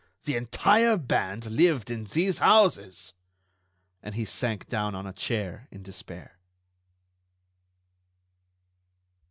The entire band lived in these houses." And he sank down on a chair in despair.